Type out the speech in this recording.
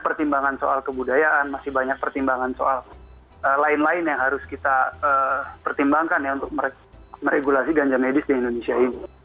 pertimbangan soal kebudayaan masih banyak pertimbangan soal lain lain yang harus kita pertimbangkan ya untuk meregulasi ganja medis di indonesia ini